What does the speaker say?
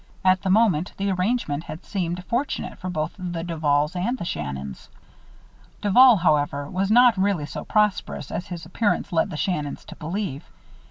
At the moment, the arrangement had seemed fortunate for both the Duvals and the Shannons. Duval, however, was not really so prosperous as his appearance led the Shannons to believe.